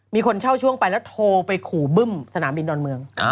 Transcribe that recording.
มีคนเช่าช่วงไปแล้วโทรไปขู่บึ้มสนามบินดอนเมือง